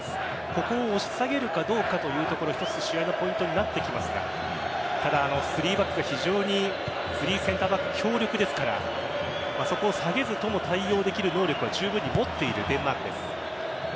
ここをどう押し下げるかどうかというところ一つポイントになってきますがただ、３バック非常に３センターバック強力ですからそこを下げずとも対応できる能力は十分に持っているデンマークです。